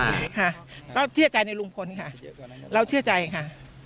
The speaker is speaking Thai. ค่ะก็เชื่อใจในลุงพลค่ะเราเชื่อใจค่ะ